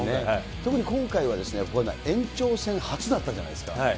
特に今回は、延長戦、初だったじゃないですか。